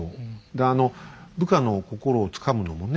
であの部下の心をつかむのもね